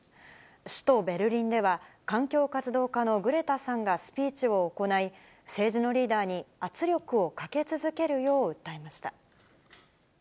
首都ベルリンでは、環境活動家のグレタさんがスピーチを行い、政治のリーダーに圧力をかけ続けるよう訴えました。